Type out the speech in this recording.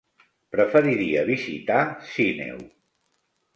Preferiria visitar Sineu.